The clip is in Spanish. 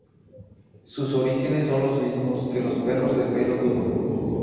Sus orígenes son los mismos que los perros de pelo duro.